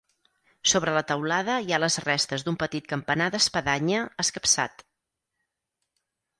Sobre la teulada hi ha les restes d'un petit campanar d'espadanya, escapçat.